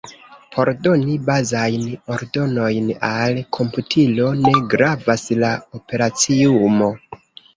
Por doni bazajn ordonojn al komputilo, ne gravas la operaciumo.